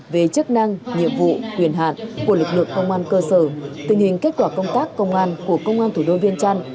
về chức năng nhiệm vụ quyền hạn của lực lượng công an cơ sở tình hình kết quả công tác công an của công an thủ đô viên trăn